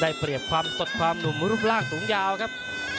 เปรียบความสดความหนุ่มรูปร่างสูงยาวครับ